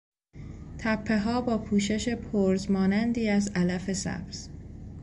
تپهها با پوشش پرز مانندی از علف سبز